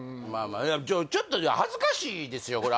まあまあちょっと恥ずかしいですよ